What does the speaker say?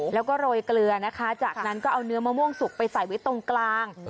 แล้วก็โรยเกลือนะคะจากนั้นก็เอาเนื้อมะม่วงสุกไปใส่ไว้ตรงกลาง